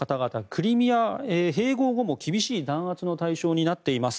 クリミア併合後も厳しい弾圧の対象になっています。